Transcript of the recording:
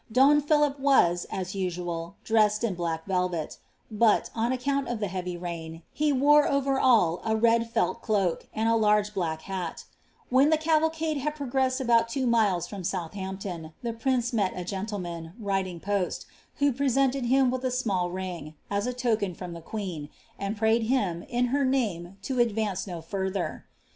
. Don Philip was, as usual, dressed in Uack velvet ; bot, oa accoHt of the heavy rain, he wore over aU a red Mt doak, and a laifs blsck hat When the cavalcade had progreased abo^t two ouiea from Soodh ampton, the prince met a gentlemant riding poet, who peaaeDted Un with a small ring, as a token from the queen« and piayed him, in hw Mume, to advance no further.